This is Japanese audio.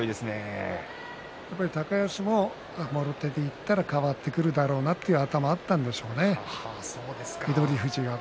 やっぱり高安ももろ手でいったら変わってくるんだろうなという頭があったんでしょうね。